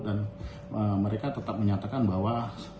dan mereka tetap menyatakan bahwa